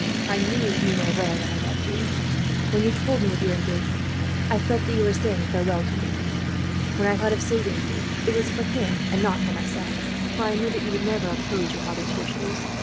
"I knew that you were aware that I loved you. When you told me of your engagement, I felt that you were saying farewell to me. When I thought of saving you, it was for him and not for myself; for I knew that you would never oppose your father's wishes.